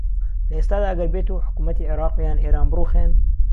لە ئێستادا ئەگەر بێتو حکومەتی عیراق یان ئێران بروخێن.